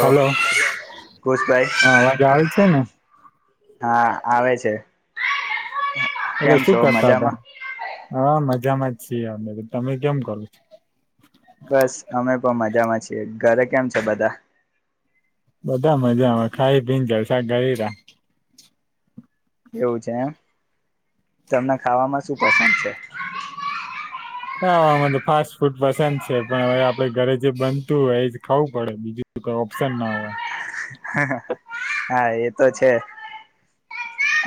Hello કુશભાઈ હા અવાજ આવે છે ને.. હા આવે છે. એ કેમ છો સુુંખ કરતા હતા મજામાં હા મજ મજામાં જ છીએ અમે તો તમે કેમ કરો છો બસ અમે પણ મજામાં છીએ ઘરે કેમ છે બધા બધા મજા આવે ખાઈ પીને જલસા કરે રા એવું છે એમ તમને ખાવામાં શું પસંદ છે ખાવાનું તો ફાસ્ટ ફૂડ પસંદ છે પણ હવે આપડે ઘરે જે બનતું હોય એજ ખાવું પડે બીજું કઈ ઓપ્શન ના હોય હા એ તો છે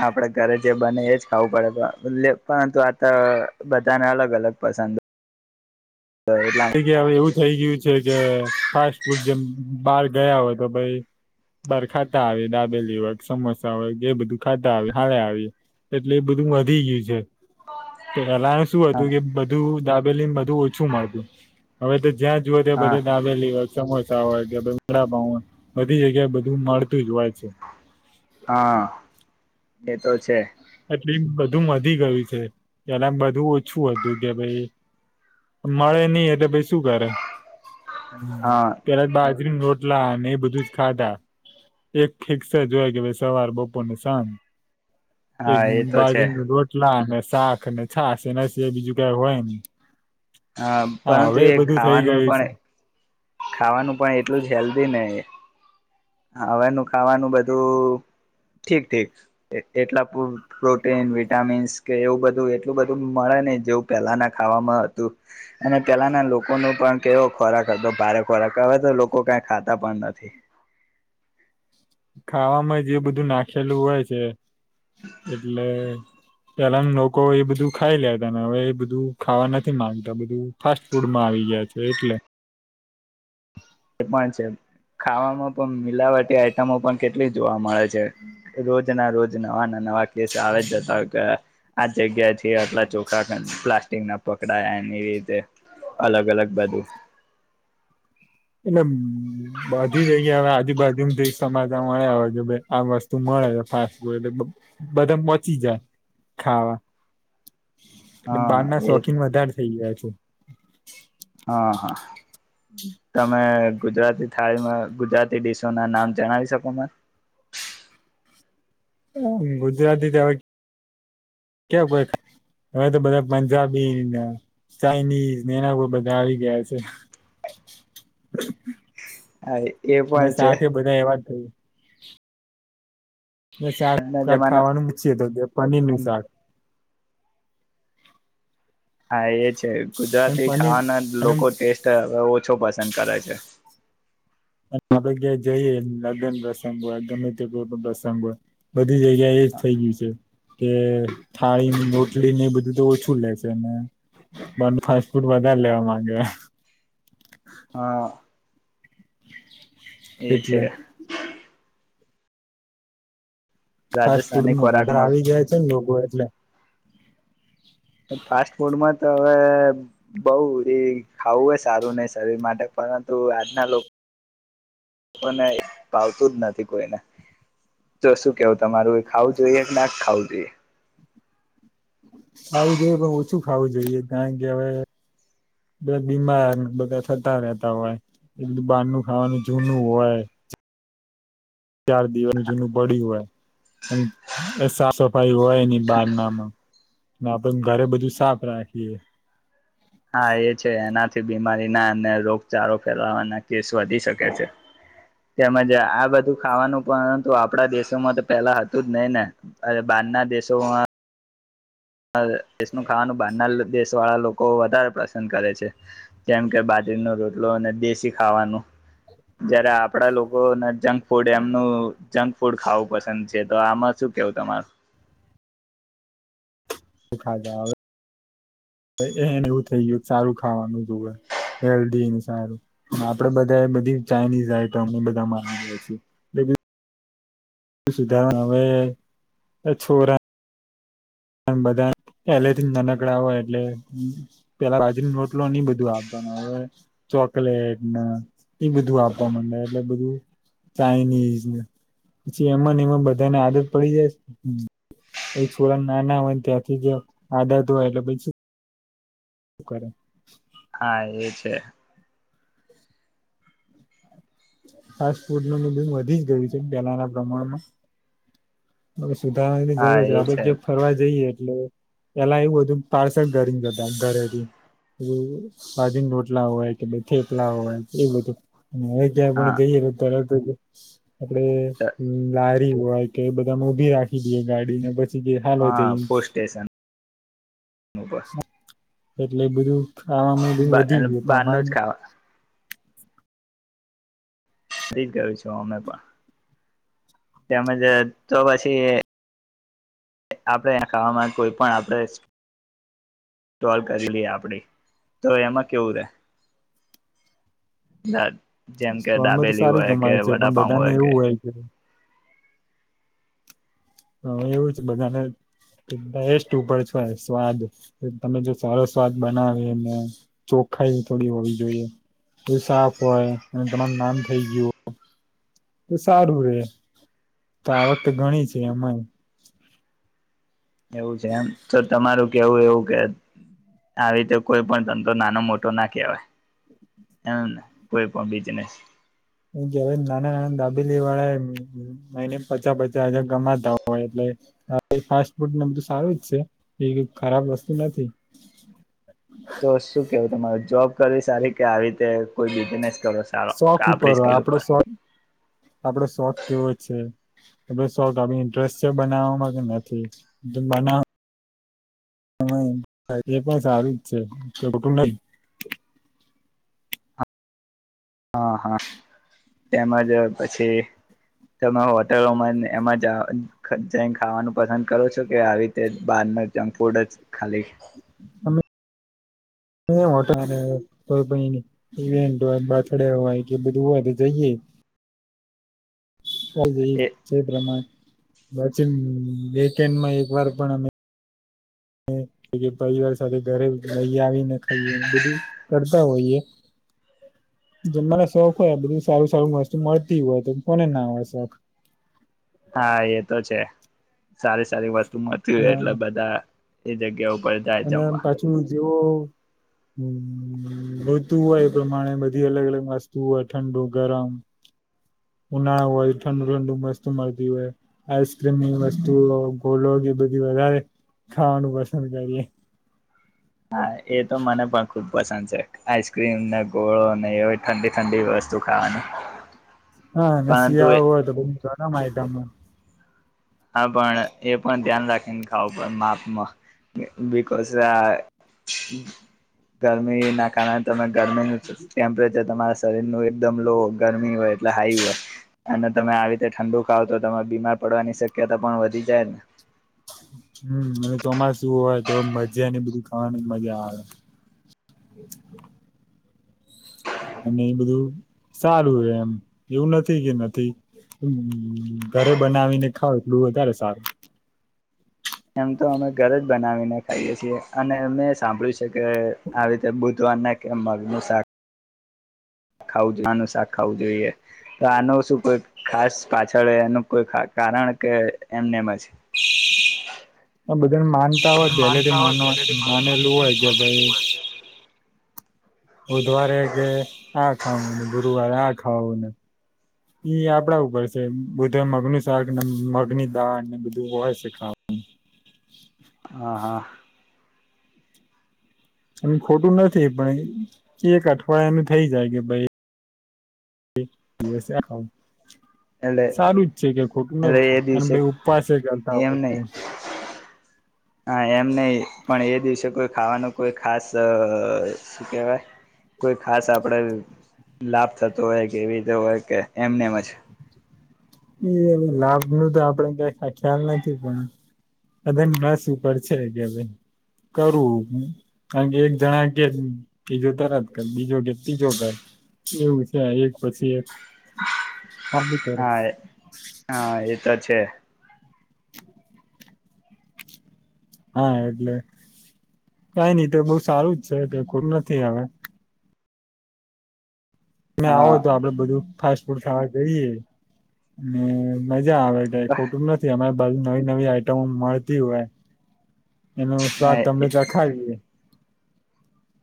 આપણે ઘરે જે બને એજ ખાવું પડે પરંતુ આ તો બધાને અલગ અલગ પસંદ હોય એટલા થઈ ગયા હવે એવું જ થઈ ગયું છે કે ફાસ્ટ ફૂડ જેમ બહાર ગયા હોય તો ભાઈ બહાર ખાતા આવે દાબેલી હોય સમોસા હોય એ બધું ખાતા આવે હવે આવી એટલે એ બધું વધી ગયું છે તો પેલા શું હતું કે બધું દાબેલી ને બધું ઓછું મળતું હવે તો જ્યાં જોવે હા દાબેલી હો [unintelligible] સમોસા હોય કે [unintelligible] વડાપાવ હોય બધી જગ્યાએ બધું મળતું જ હોય છે. હા એતો છે. એટલી બધું માં વધી ગયું છે એલે આમ બધું ઓછું હતું કે ભાઈ મળે નઈ એટલે ભાઈ શું કરે. હમ્મ હા ત્યારે બાર રી રોટલા અને એ બધું જ ખાધા એક ફિક્સ જ હોય કે ભ સવાર બપોર ને સાજ. એક હા એ તો છે બાજુને રોટલા અને શાક ને છાસ એના સિવાય બીજું કઈ હોય નહીં. હા પરંતુ એ ખાવાનું ગયું છે પણ તે ને. હવેનું ખાવાનું બધું ઠીક ઠીક એ એટલા પ્રોટીન વિટામીન કે એવું બધું એટલું બધું મળે ને જેવું પહેલાના ખાવામાં હતું અને પેલાના લોકો ન પણ કેવો ખોરાક હતો ભારે ખોરાક હવે તો લોકો કઈ ખાતા પણ નથી. ખાવામાં જે બધું નાખેલું હોય છે. એટલે પેલા ના લોકો એ બધું ખાઈ લેતા ને હવે એ બધું ખાવા નથી માંગતા બધું ફાસ્ટ ફૂડમાં આવી ગયા છે એટલે. એ પણ છે ખાવામાં પણ મિલાવટી આઈટમો પણ કેટલી જોવા મળે છે રોજ ના રોજ નવા ના નવા કેસ આવે છે [unintelligible] આ જગ્યા એજ કે આટલા ચોખા હતા પ્લસ ટી ના પકડાયા એ એ રીતે અલગ અલગ બધું એમ. બધી જગ્યા હવે આજુબાજુ કિંમતી [unintelligible] મળ્યા હોય કે બે આ વસ્તુ મળે ફાસ્ટ ફૂડ એટલે બધા પોચી જાય ખાવા. એટ હા બહાર ના એ શોખીન વધારે થઇ ગયા છો. [inaudible] હા હા તમે ગુજરાતી થાળીમાં ગુજરાતી ડીશો ના નામ જણાવી શકો માને. હા ગુજરાતી તો હવે કે કોઈ ખાય હવે તો બધા પંજાબી ને ચાઇનીઝ ને એના બો બધા આવી ગયા છે. હા એ અને પણ છે શાખે બધા એવા જ થઈ [inaudible] ને આજના શાક જમાના ખાવાનું ની છે તો કે પનીર નું શાક. હા એ છે અને ગુજરાતી પનીર ખાવાના અને લોકો ટેસ્ટ હવે ઓછો પસંદ કરે છે. આપણે ક્યાં એ જઈએ લગન પ્રસંગ હોય ગમે તે કોઈ પણ પ્રસંગ હોય બધી જગ્યા એજ થઇ ગયું છે કે થાળી ની રોટલી ને બધુ જો ઓછું લેશે ને બાર નું ફાસ્ટ ફૂડ વધારે લેવા માંગે. હા. એ છે. એટલે ફાસ્ટ રાજસ્થાની ફૂડમાં બધા ખોરાકમાં આવી જાય છે ને લોકો એટલે. ને ફાસ્ટ ફૂડમાં તો હવે બઉ એ ખાવું એ સારું નહી શરીર માટે પરંતુ આજના લોકોને ભાવતું જ નથી કોઈને, જો શું કેવું તમારું એ ખાવું જોઈએ કે ના ખાવું જોઈએ ખાવું જોઈએ પણ ઓછું ખાવું જોઈએ, કારણ કે હવે બીમાર બધા થતા રહેતા હોય એકું બારનું ખાવાનું જૂનું હોય. ચાર દિવસનું જૂનું પડ્યું હોય અને એ સાફ સફાઈ હોયની બહારનામાં આપે ઘરે બધું સાફ રાખીએ હા, એ છે એના થી બીમારીના અને રોગચારો ફેલાવાના કેસ વધી શકે છે, તેમજ આ બધું ખાવાનું પરંતુ આપણા દેશોમાં તો પેલા હતું જ નહી ને બારના દેશોમાં દેશનું ખાવાનું બારના દેશ વાળા લોકો વધારે પસંદ કરે છે, જેમ કે બાજરીનો રોટલો અને દેશી ખાવાનું જયારે આપણા લોકોને જંક ફૂડ એમનું જંક ફૂડ ખાવું પસંદ છે, તો આમાં શું કેવું તમારું ખાધા હવે એને એવું થઈ ગયું સારું ખાવાનું જુવ, હેલ્ધી ને સારું, આપડે બધા બધી ચાઇનીઝ આઈટમ બધા માગીએ છીએ સુધારવાના હવે છોરા બધા પેલે થી નનકડા હોય એટલે પેલા બાજરી રોટલોને એ બધું આપવાનું આવે ચોકલેટ ને ઈ બધું આપવા માંડ્યા એટલે બધું ચાાઈનીઝને પછી એમાં એમાં બધાને આદત પડી જાય છોક ના, ના, હોય ને ત્યાંથી જ આદત હોય એટલે પછી [inaudible] હા, એ છે ફાસ્ટ ફૂડ બિમ વધી જ ગયું છે, પહેલાના પ્રમાણમાં [inaudible] સુધારવાની હા જરૂર છે, એ આપણે ક્યાંક ફરવા જઈએ એટલે, પેલા એવું હતું પાર્સલ ભરીને જતા ઘરેથી, બાજરીનરોટલા હોય કે ભઈ થેપલા હોય એ બધું હવે, ક્યા પણ હા જઈ તો તરત [unintelligible] આપડે લાજ હોય કે બ અમે ભી રાખી દીએ ગાડી ને પછી જ દી હાલો હા જઈશ. ફૂડ સ્ટેશન [unintelligible] એટલે બધું આમ બું વધી ગયું બહારનું જ તમારે ખાવાનું બી જ કરું છું અમે પણ. તેમજ તો પછી આપણે ખાવામાં કોઈ પણ આપણે સોલ કરીલીએ આપડી તો એમાં કેવું રે? જેમ કે સ્ટોલમાં તો દાબેલી સારી હોય કે કમાય છે પણ વડાપાઉ બધાને એવું હોય કે હ એવું જ બધાને ટેસ્ટ ઉપર છે હો સ્વાદ તમે જો સારો સ્વાદ બનાવે ને ચોખાઈ થોડી હોવી જોઈએ, સાફ હોય અને તમાર નામ થઈ ગયું. તો સારું રે, તો આવક તો ઘણી છે એમાય. એવું છે એમ તો તમારું કેવું એવું કે આવી રીતે કોઈ પણ ધંધો નાનો મોટો ના કહેવાય એમને, કોઈ પણ બિજનેસ. એ કેવા નાના નાના દાબેલી વાળાને મહિને પચા પચા હજાર કમાતા હોય એટલે. હા એ ફાસ્ટ ફૂડને બધું સારું જ છે, એ ખરાબ વસ્તુ નથી. તો શું કેવું તમારે જોબ કરવી સારી કે આવી રીતે કોઈ બિઝનેસ ક શોખ ઉપર હોય આપડો શોખ, આપડો શોખ કેવો છે. તમે શોખ અમે ઇન્ટરેસ્ટ છે બનાવામાં કે નથી, જો બનાવ [unintelligible] એ પણ સારું જ છે, ખોટું [inaudible] હા, હા. તેમજ પછી, તમે હોટલોમાં ને એમાં જ, જઈને ખાવાનું પસંદ કરો છો કે આવી રીતે જ, બહાર ન જંક ફૂડ જ? ખાલી. એ હોટલ ને કોઈ ઇવેન્ટ હોય, બથ ડે હોય કે બધું હોય તો જઈએઈ. ચાલ જઈએ, એ જે પ્રમાણે પછી વ, વીકેન્ડમાં એક વાર પણ અમે પરિવાર સાથે ઘરે લઈ આવીને ખઈએ, બધું કરતા હોઈએ. જે મને સૌખ હોય, બધું સારું સારું વસ્તુ મળતી, હોય તો કોને ના હોય સૌખ? હા, એ તો છે. સારી સારી વસ્તુ મળતી અને હોયએટલે બધા એ જગ્યા ઉપ અને પાછુ જેવો, ઉ ઋતુ હોય એ પ્રમાણે બધી અલગ અલગ વસ્તુ હોય ઠંડુ, ગરમ ઉનાળા હોય ઠંડુ ઠંડુ વસ્તુ મળતી હોય, આઈસક્રીમની વસ્તુ, ગોલોગ એ બધી વધારે ખાવાનું પસંદ કરીએ. હા, એ તો મને પાક્કુ પસંદ છે, આઈસક્રીમ ને, ગોળોને, એવી ઠંડી ઠંડી વસ્તુ ખાવાની હા, ને પરંતુ સિયાળો હોય તો પછી [unintelligible] ગરમ આઇટમો હા, પણ એ પણ ધ્યાન રાખીને ખાવુ પડ, માપમાં, બિકોઝા ગરમીના કારણે તમે, ગરમીનું ટેમ્પરેચર તમારા સ સરીરની એકદમ લો ગરમી હોય હાઈ હોય, અને તમે આવી રીતે ઠંડુ ખાવ, તો તમારે બીમાર પડવાની સક એ તે પણ વધી જાય ને! હમ, અને ચોમાસું હોય તો ભજ્યાને બધું ખાવાની મજા આવે. અને એ બધું સારું, એમ, એવું નથી કે નથી, ગ, ઘરે બનાવીને ખાવ એટલું વધારે સારું! એમ તો અમે ઘરે જ બનાવીને ખાઈએ છીએ. અને મેં સાંભળ્યું છે કે આવી રીતે બુધવારના કેમ મગનું સાક ખાવુ જોઈ, આનું શાક ખાવું જોઈએ, તો આનું સુ કોઈ ખાસ પાછળ, એનું કો ખા, કારણ? કે એમનેમ જ? આ બધાને માનતા હોય, પહેલેથી મા, માનેલું હોય કે ભાઈ બુધવારે કે આ ખાવું, ગુરુવારે આ ખાવું ને. ઈ આપડા ઉપર છે. બુધે મગનું શાક ને, મગની દાળ ને, બધું હોય છે ખાવાનું. હા, હા. એ ખોટું નથી, પણ એક અઠવાડિયાનું થઈ જાય કે ભાઈ એટલે સારું જ છે, કે ખોટું એટલે નથી, એ એમ દિવસે ભઈ ઉપવાસે કરતા હોય એમ છે. નહી હા, એમ નહિ, પણ એ દિવસે કોઈ ખાવાનો કોઈ ખાસ, સુ કેહેવાય?, કોઈ ખાસ, આપડે લાભ થતો હોય, કેવી રીતે હોય કે, એમને એમ જ? એ હવે લાભનું તો આપડે કંઇ ખ્યાલ નથી, પણ બેન માસી ઉપર છે કે કરવું, કાણ કે એક જણા કે બીજો તરત કે, બીજો કે ત્રીજો કે. એવું છે, એક પછી એક. આ હું હા કરસ? હા, એ તો છે. હા, એટલે કઈ નઈ, તો બહ સારું જ છે એટલે. કંઇ ખોટું નથી હવે. તમે આવો તો, આપડે બધું ફાસ્ટ ફૂડ ખાવા જઈએ ને ભાઈ મજા આવે, કંઇ ખોટું નથી અમેં [unintelligible] નવી-નવી આઈટમો મળતી હોય. એનો સ્વાદ તમને ચખાવીએ.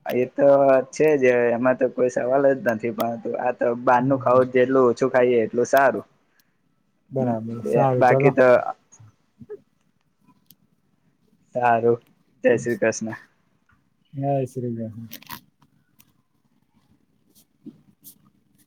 હા એ તો આ છે જ, હવે એમાં તો કોઈ સવાલ જ નથી પરંતુ આ તો બહારનું ખાાવું જેટલું ઓછું ખાઈએ એટલું સારું. બરાબર બે સારું બાકી ચલો તો સારું. જય શ્રી કૃષ્ણ. [unintelligible] [inaudible]